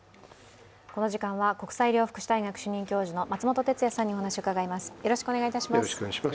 この時間は国際医療福祉大学主任教授の松本哲哉さんにお話を伺います。